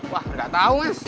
wah enggak tahu mas